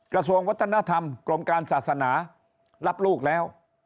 กระทรวงวัฒนธรรมกรมการศาสนารับลูกแล้ว